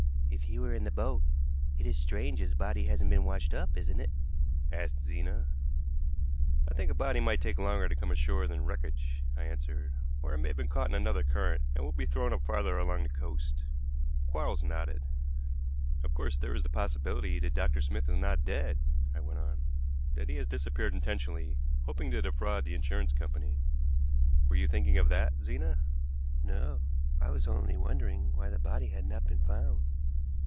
"If he were in the boat, it is strange his body hasn't been washed up, isn't it?" asked Zena. "I think a body might take longer to come ashore than wreckage," I answered. "Or it may have been caught in another current, and will be thrown up farther along the coast." Quarles nodded. "Of course, there is the possibility that Dr. Smith is not dead," I went on, "that he has disappeared intentionally, hoping to defraud the insurance company. Were you thinking of that, Zena?" "No; I was only wondering why the body had not been found."